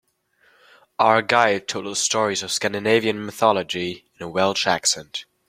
Our guide told us stories of Scandinavian mythology in a Welsh accent.